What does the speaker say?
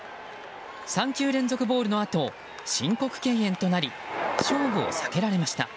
３球連続ボールのあと申告敬遠となり勝負を避けられました。